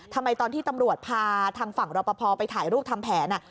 ทำไมตอนที่ตำรวจพาทางฝั่งรอปภไปถ่ายรูปทำแผน